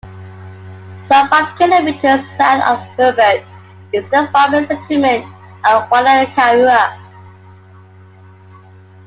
Some five kilometres south of Herbert is the farming settlement of Waianakarua.